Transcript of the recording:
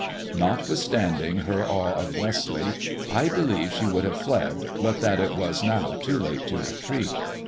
Notwithstanding her awe of Westleigh, I believe she would have fled, but that it was now too late to retreat.